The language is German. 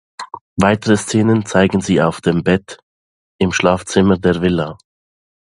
Weitere Szenen zeigen sie auf dem Bett im Schlafzimmer der Villa.